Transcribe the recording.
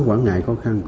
bên mấy chiến nhân sĩ